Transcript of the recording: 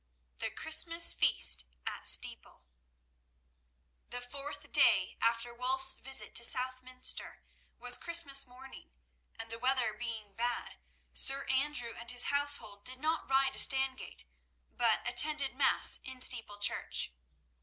The Christmas Feast at Steeple The fourth day after Wulf's visit to Southminster was Christmas morning, and the weather being bad, Sir Andrew and his household did not ride to Stangate, but attended mass in Steeple Church.